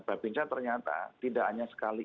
mbak binka ternyata tidak hanya sekali